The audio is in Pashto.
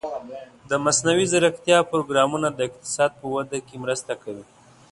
د مصنوعي ځیرکتیا پروګرامونه د اقتصاد په وده کې مرسته کوي.